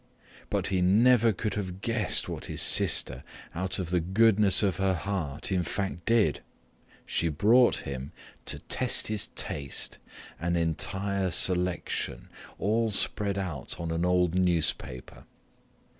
But he never could have guessed what his sister out of the goodness of her heart in fact did. She brought him, to test his taste, an entire selection, all spread out on an old newspaper.